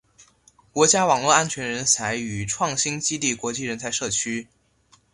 国家网络安全人才与创新基地国际人才社区